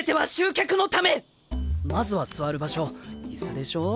まずは座る場所イスでしょ。